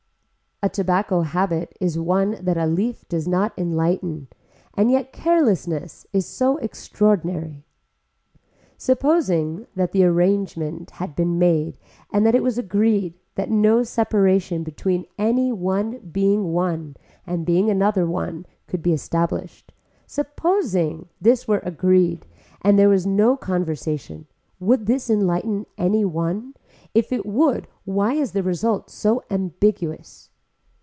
A tobacco habit is one that a leaf does not enlighten and yet carelessness is so extraordinary. Supposing that the arrangement had been made and that it was agreed that no separation between any one being one and being another one could be established, supposing this were agreed and there was no conversation, would this enlighten any one, if it would why is the result so ambiguous.